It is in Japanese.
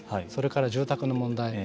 それから住宅の問題。